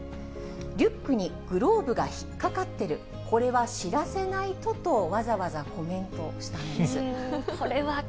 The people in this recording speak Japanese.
リュックにグローブが引っ掛かってる、これは知らせないとと、わざわざコメントしたんです。